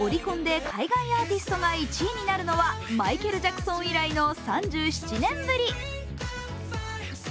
オリコンで海外アーティストが１位になるのはマイケル・ジャクソン以来の３７年ぶり。